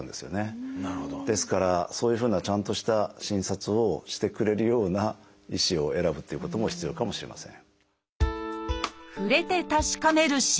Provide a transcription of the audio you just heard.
ですからそういうふうなちゃんとした診察をしてくれるような医師を選ぶっていうことも必要かもしれません。